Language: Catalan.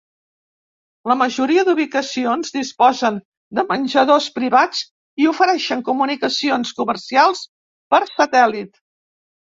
La majoria d'ubicacions disposen de menjadors privats i ofereixen comunicacions comercials per satèl·lit.